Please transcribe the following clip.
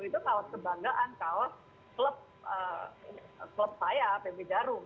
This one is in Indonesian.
itu kaos kebanggaan kaos klub saya pb jarum